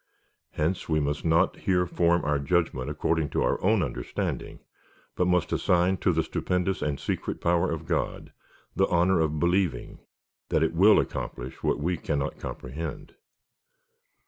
Hence, w^e must not here form our judgment according to our own understanding, but must assign to the stupendous and secret power of God the honour of believing, that it will accomplish w^hat we cannot comprehend.